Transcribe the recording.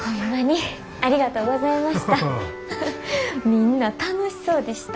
みんな楽しそうでした。